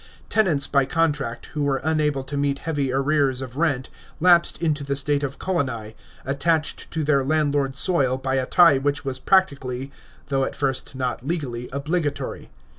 Tenants by contract, who were unable to meet heavy arrears of rent, lapsed into the state of coloni, attached to their landlord's soil by a tie which was practically, though at first not legally, obligatory.